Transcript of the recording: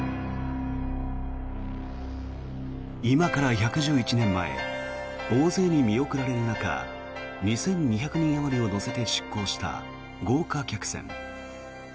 今から１１１年前大勢に見送られる中２２００人あまりを乗せて出航した豪華客船。